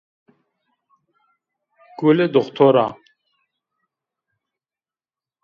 Gule doktor a.